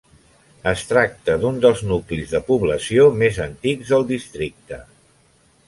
Es tracta d'un dels nuclis de població més antics del districte.